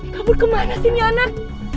kabur kemana sini anak